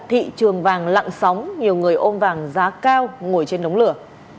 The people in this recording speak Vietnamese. thị trường vàng lặng sóng nhiều người ôm vàng giá cao ngồi trên đống lửa